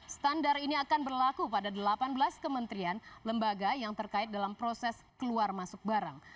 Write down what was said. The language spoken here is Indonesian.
standar ini akan berlaku pada delapan belas kementerian lembaga yang terkait dalam proses keluar masuk barang